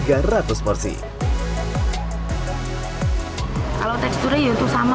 kalau teksturnya itu sama sih menurutku